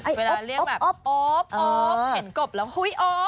เวลาเรียกแบบโอ๊บเห็นกบแล้วโอ๊บ